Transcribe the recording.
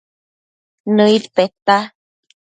Nëid peta